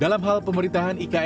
dalam hal pemerintahan ibu kota baru